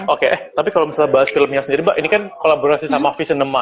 oke eh tapi kalau misalnya bahas filmnya sendiri mbak ini kan kolaborasi sama vision nema